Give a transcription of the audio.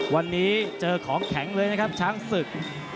วันนี้เจอของแข็งเลยนะครับช้างศึก